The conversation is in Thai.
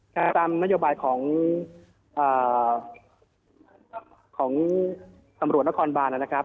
ตามนโยบายของตำรวจนครบานนะครับ